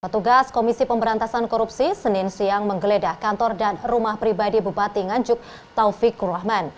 petugas komisi pemberantasan korupsi senin siang menggeledah kantor dan rumah pribadi bupati nganjuk taufikur rahman